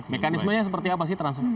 mekanismenya seperti apa sih transfer pricing